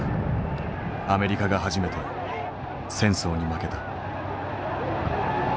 アメリカが初めて戦争に負けた。